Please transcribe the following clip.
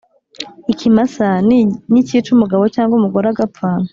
Ikimasa nicyica umugabo cyangwa umugore agapfa